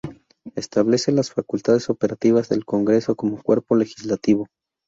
Establece las facultades operativas del Congreso como cuerpo legislativo.